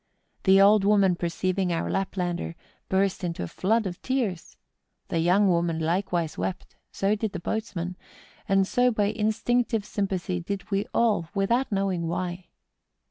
The old woman perceiving our Lap¬ lander, burst into a flood of tears; the young woman likewise wept, so did the boatman; and so by in¬ stinctive sympathy did we all, without knowing why.